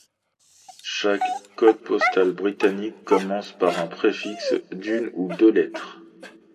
Chaque code postal britannique commence par un préfixe d'une ou deux lettres.